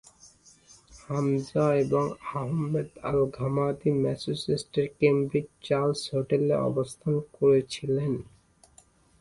হামজা এবং Ahmed al Ghamdi Massachusetts এর কেমব্রিজের চার্লস হোটেলে অবস্থান করেছিলেন।